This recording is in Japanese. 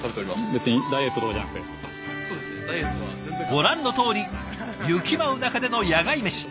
ご覧のとおり雪舞う中での野外メシ。